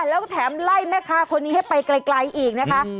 แล้วก็แถมไล่แม่ค้าคนนี้ให้ไปไกลอีกนะคะ